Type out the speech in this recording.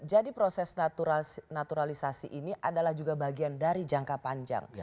proses naturalisasi ini adalah juga bagian dari jangka panjang